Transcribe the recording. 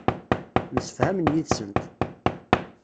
Msefhamen yid-sent.